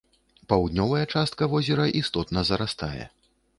Паўднёвая частка возера істотна зарастае.